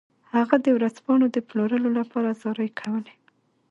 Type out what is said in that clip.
هغه د ورځپاڼو د پلورلو لپاره زارۍ کولې.